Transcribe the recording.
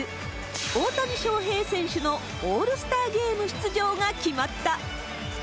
大谷翔平選手のオールスターゲーム出場が決まった。